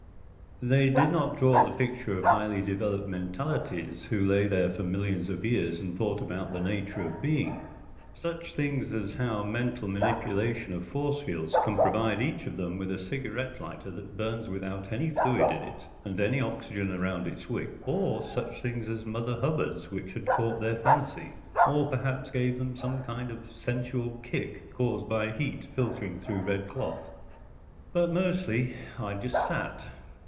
They did not draw the picture of highly developed mentalities who lay there for millions of years and thought about the nature of being. Such things as how mental manipulation of force fields can provide each of them with a cigarette lighter that burns without any fluid in it and any oxygen around its wick, or such things as mother hubbards which had caught their fancy, or perhaps gave them some kind of sensual kick caused by heat filtering through red cloth. But mostly I just sat.